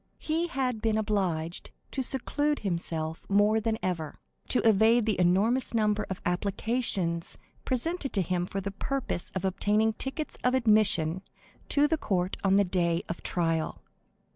He had been obliged to seclude himself more than ever, to evade the enormous number of applications presented to him for the purpose of obtaining tickets of admission to the court on the day of trial.